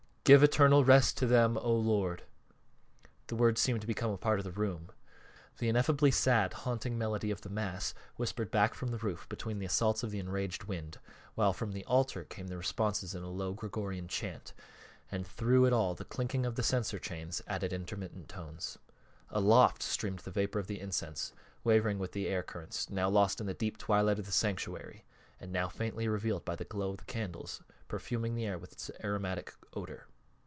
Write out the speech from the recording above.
"Give eternal rest to them, O Lord," the words seeming to become a part of the room. The ineffably sad, haunting melody of the mass whispered back from the roof between the assaults of the enraged wind, while from the altar came the responses in a low Gregorian chant, and through it all the clinking of the censer chains added intermittent notes. Aloft streamed the vapor of the incense, wavering with the air currents, now lost in the deep twilight of the sanctuary, and now faintly revealed by the glow of the candles, perfuming the air with its aromatic odor.